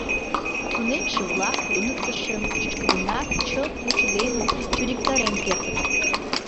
Тунемше-влак туныктышым чӱчкыдынак чылт вучыдымын чуриктарен кертыт.